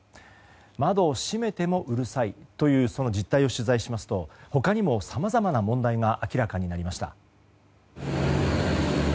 窓を閉めてもうるさいというその実態を取材しますと他にも、さまざまな問題が明らかになりました。